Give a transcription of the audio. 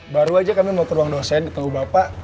baru aja kami mau ke ruang dosen ketemu bapak